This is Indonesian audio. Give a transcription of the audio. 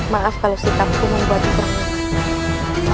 maaf kalau sikapku membuatmu terlalu keras